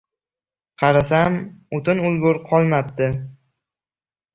— Qarasam, o‘tin o‘lgur qolmabdi.